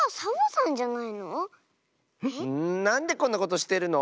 んなんでこんなことしてるの？